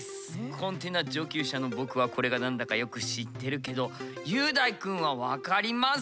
コンテナ上級者の僕はこれが何だかよく知ってるけど雄大くんはわかりますか？